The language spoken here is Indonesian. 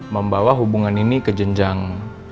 membawa hubungan ini ke jenjang